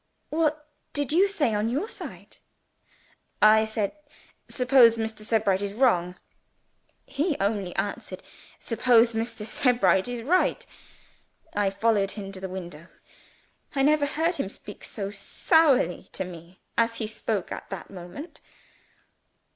"What did you say, on your side?" "I said, 'Suppose Mr. Sebright is wrong?' He only answered, 'Suppose Mr. Sebright is right?' I followed him to the window I never heard him speak so sourly to me as he spoke at that moment.